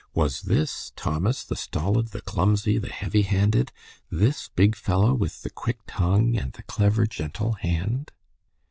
Was this Thomas the stolid, the clumsy, the heavy handed, this big fellow with the quick tongue and the clever, gentle hand?